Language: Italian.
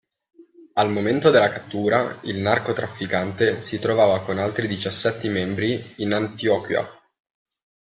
Al momento della cattura, il narcotrafficante si trovava con altri diciassette membri in Antioquia.